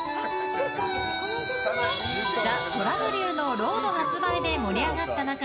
ＴＨＥ虎舞竜の「ロード」発売で盛り上がった中